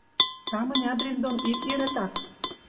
Самынь адрес дон ит йӹрӹ так.